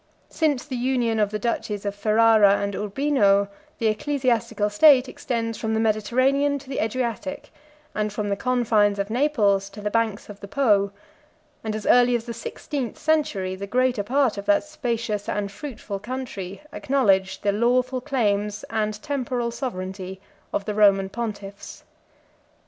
88 Since the union of the duchies of Ferrara and Urbino, the ecclesiastical state extends from the Mediterranean to the Adriatic, and from the confines of Naples to the banks of the Po; and as early as the sixteenth century, the greater part of that spacious and fruitful country acknowledged the lawful claims and temporal sovereignty of the Roman pontiffs.